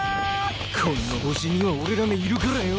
この星には俺らがいるからよぉ！